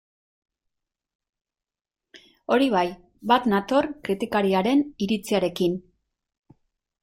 Hori bai, bat nator kritikariaren iritziarekin.